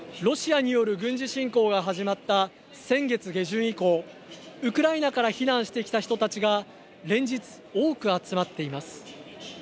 ロシアによる軍事侵攻が始まった先月下旬以降ウクライナから避難してきた人たちが連日多く集まっています。